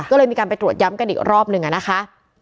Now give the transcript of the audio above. ก็เลยมีการไปตรวจย้ำกันอีกรอบหนึ่งอะนะคะ